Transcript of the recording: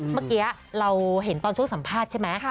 เมื่อกี้เราเห็นตอนช่วงสัมภาษณ์ใช่ไหม